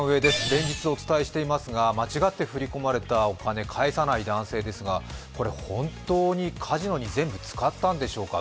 連日お伝えしていますが間違って振り込まれたお金、返さない男性ですがこれ、本当にカジノに全部使ったんでしょうか。